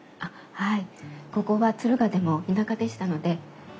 はい。